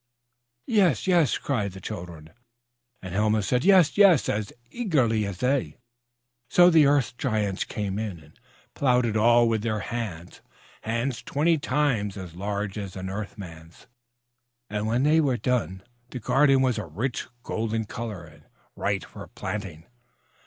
"Yes, yes," cried the children, and Helma said, "Yes, yes," as eagerly as they. So the Earth Giants came in and plowed it all up with their hands, hands twenty times as large as an Earth Man's! When they were done, the garden was a rich golden color, and right for planting.